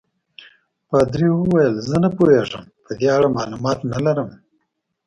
پادري وویل: زه نه پوهېږم، په دې اړه معلومات نه لرم.